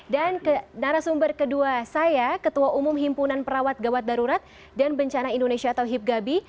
dan ke narasumber kedua saya ketua umum himpunan perawat gawat barurat dan bencana indonesia atau hipgabi